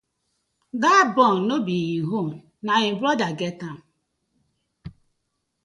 Dat bunk no be im own, na im brother get am.